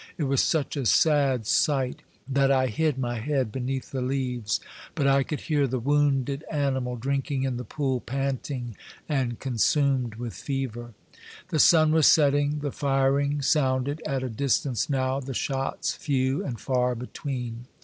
It was such a sad sight that I hid my head beneath the leaves ; but I could hear the wounded animal drinking in the pool, panting and consumed with fever. The sun was setting. The firing sounded at a distance now, the shots few and far between.